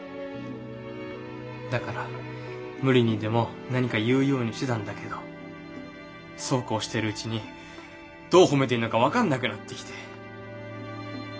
だから無理にでも何か言うようにしてたんだけどそうこうしてるうちにどう褒めていいのか分かんなくなってきて。